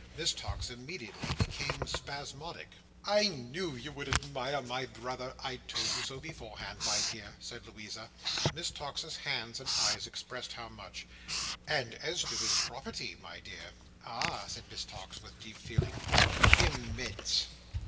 Miss Tox immediately became spasmodic. "I knew you would admire my brother. I told you so beforehand, my dear," said Louisa. Miss Tox's hands and eyes expressed how much. "And as to his property, my dear!" "Ah!" said Miss Tox, with deep feeling. "Im mense!"